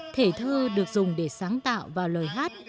thể thơ được dùng để sáng tạo vào lời hát